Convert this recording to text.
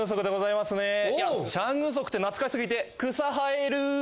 いやチャン・グンソクって懐かしすぎて草生える。